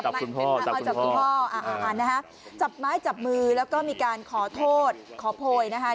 เป็นการจับพ่ออาหารนะคะจับไม้จับมือแล้วก็มีการขอโทษขอโพยนะคะ